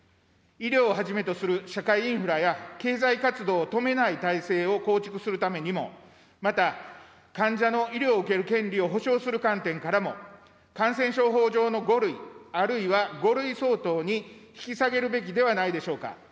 医療をはじめとする社会インフラや経済活動を止めない体制を構築するためにも、また患者の医療を受ける権利を保障する観点からも、感染症法上の５類、あるいは５類相当に引き下げるべきではないでしょうか。